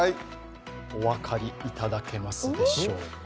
お分かりいただけますでしょうか？